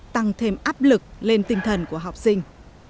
tăng thêm áp lực lên tinh thần của học sinh